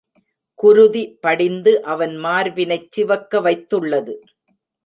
குருதி படிந்து அவன் மார்பினைச் சிவக்க வைத்துள்ளது.